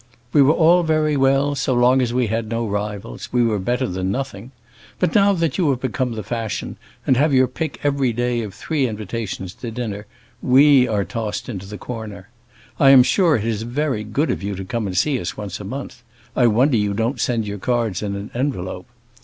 "We were all very well so long as we had no rivals—we were better than nothing. But now that you have become the fashion, and have your pick every day of three invitations to dinner, we are tossed into the corner. I am sure it is very good of you to come and see us once a month; I wonder you don't send us your cards in an envelope.